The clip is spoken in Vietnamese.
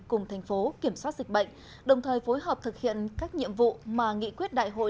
cùng thành phố kiểm soát dịch bệnh đồng thời phối hợp thực hiện các nhiệm vụ mà nghị quyết đại hội